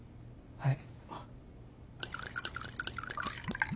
はい。